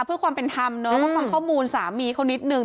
เพื่อความเป็นธรรมเนอะมาฟังข้อมูลสามีเขานิดนึง